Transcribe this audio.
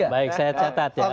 baik saya catat ya